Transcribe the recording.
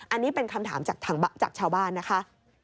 อันนี้เป็นคำถามจากชาวบ้านนะคะ